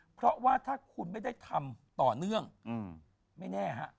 เพราะว่าถ้าคุณไม่ได้ทำต่อเนื่องไม่แน่ฮะ